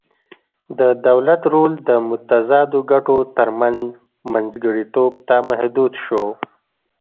د دولت رول د متضادو ګټو ترمنځ منځګړیتوب ته محدود شو